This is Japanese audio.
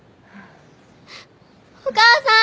お父さん。